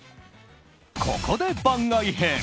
ここで番外編。